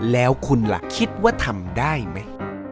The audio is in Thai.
แล้วคุณล่ะคิดว่าทำได้ไหม